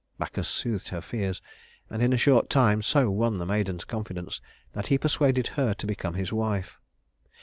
Bacchus soothed her fears, and in a short time so won the maiden's confidence that he persuaded her to become his wife.